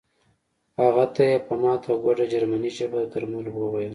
هغه ته یې په ماته ګوډه جرمني ژبه د درملو وویل